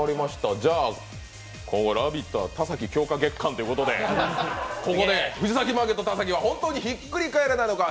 「ラヴィット！」は田崎強化月間ということでここで藤崎マーケット田崎は本当にひっくり返らないのか？